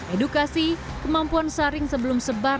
edukasi kemampuan saring sebelum sebar